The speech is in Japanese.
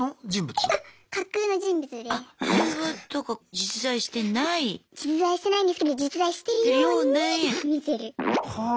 実在してないんですけど実在してるように見せる。はあ。